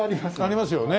ありますよね。